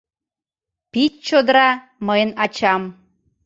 Пич чодыра — мыйын ачам.